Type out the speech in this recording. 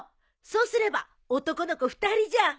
そうすれば男の子２人じゃん。